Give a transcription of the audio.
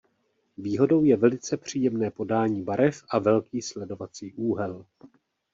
Výhodou je velice příjemné podání barev a velký sledovací úhel.